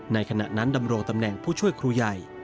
ขณะนั้นดำรงตำแหน่งผู้ช่วยครูใหญ่